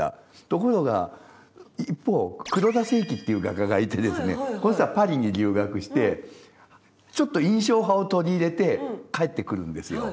ところが一方黒田清輝っていう画家がいてこの人はパリに留学してちょっと印象派を取り入れて帰ってくるんですよ。